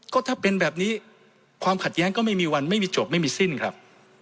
ก็ถ้าเป็นแบบนี้ความขัดแย้งก็ไม่มีวันไม่มีจบไม่มีสิ้นครับ